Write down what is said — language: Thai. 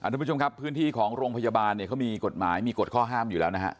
ทุกผู้ชมครับพื้นที่ของโรงพยาบาลเนี่ยเขามีกฎหมายมีกฎข้อห้ามอยู่แล้วนะฮะ